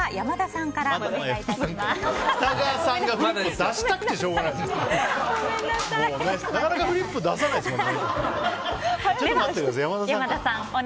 なかなかフリップを出さないですもんね。